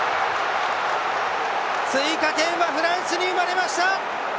追加点はフランスに生まれました！